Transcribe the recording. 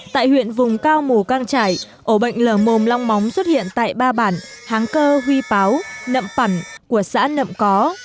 tại huyện vùng cao mù căng trải ổ bệnh lờ mồm long móng xuất hiện tại ba bản háng cơ huy páo nậm pẩn của xã nậm có